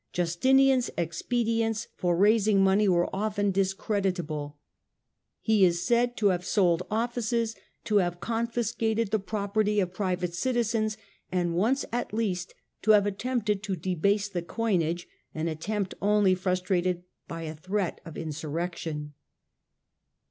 Justinian's expedients for raising money were often discreditable. He is said to have sold offices, to have confiscated the property of private citizens, and once at least to have attempted to debase the coinage — an attempt only frustrated by a threat of insurrection.